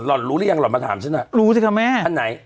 รู้หรือยังหล่อนมาถามฉันอ่ะรู้สิคะแม่อันไหน